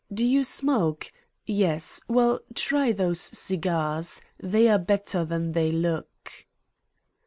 Do you smoke? Yes. Well, try those cigarettes. They are better than they look."